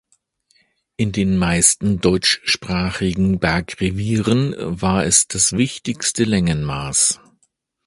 In den meisten deutschsprachigen Bergrevieren war es das wichtigste Längenmaß.